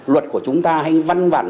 luật của chúng ta hay văn bản